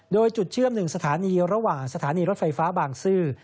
โดยจุดเชื่อม๑สถานีระหว่างสถานีรถไฟฟ้าบางซื่อ